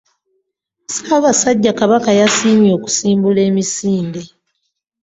Ssaabasajja Kabaka yasiimye okusimbula emisinde.